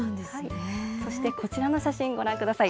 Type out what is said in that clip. そしてこちらの写真ご覧ください。